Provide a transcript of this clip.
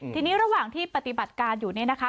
ทีนี้ระหว่างที่ปฏิบัติการอยู่เนี่ยนะคะ